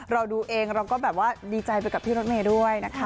เราดูเองเราก็แบบว่าดีใจไปกับพี่รถเมย์ด้วยนะคะ